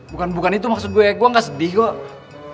bukan bukan itu maksud gue gua gak sedih kok